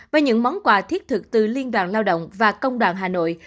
với những món quà thiết thực từ liên đoàn lao động và công đoàn hà nội